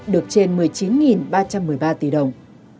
được trên một mươi chín ba trăm một mươi ba tỷ đồng